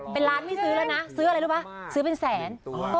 เป็นล้านไม่ซื้อแล้วนะซื้ออะไรรู้ป่ะซื้อเป็นแสน